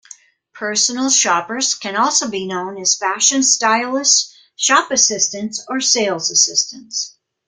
Personal shoppers can also be known as fashion stylists, shop assistants, or sales assistants.